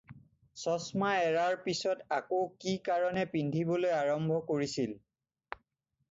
চছমা এৰাৰ পিছত আকৌ কি কাৰণে পিন্ধিবলৈ আৰম্ভ কৰিছিল?